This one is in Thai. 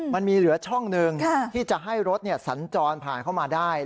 มันมีเหลือช่องหนึ่งที่จะให้รถสัญจรผ่านเข้ามาได้